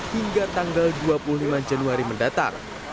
hingga tanggal dua puluh lima januari mendatang